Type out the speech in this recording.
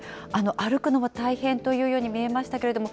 歩くのも大変というように見えましたけれども、